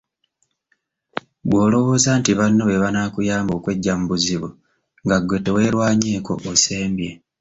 Bw’olowooza nti banno be banaakuyamba okweggya mu bizibu nga ggwe teweerwanyeeko, osembye.